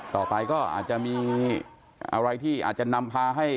ต่อไปก็อาจจะมีอะไรที่อาจจะนำพาให้